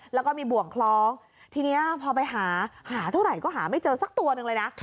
แล้วก็มีบ่วงคล้องทีนี้พอไปหาหาเท่าไหร่ก็หาไม่เจอสักตัวหนึ่งเลยนะ